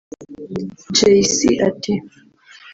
Jay C ati